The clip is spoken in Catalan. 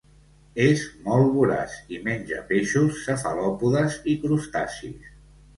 És molt voraç i menja peixos, cefalòpodes i crustacis.